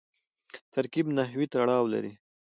ترکیب نحوي تړاو لري.